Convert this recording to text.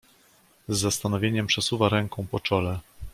"Z zastanowieniem przesuwa ręką po czole."